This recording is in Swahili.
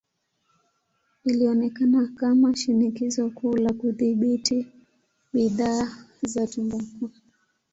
Ilionekana kama shinikizo kuu la kudhibiti bidhaa za tumbaku.